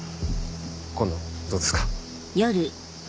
今度どうですか？